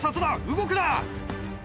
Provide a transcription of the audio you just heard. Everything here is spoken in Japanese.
動くな！